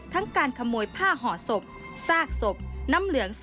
การขโมยผ้าห่อศพซากศพน้ำเหลือง